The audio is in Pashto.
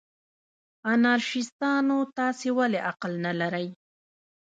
انارشیستانو، تاسې ولې عقل نه لرئ؟